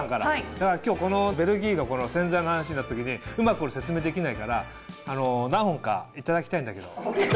だから今日このベルギーの洗剤の話になった時にうまく説明できないから何本か頂きたいんだけど。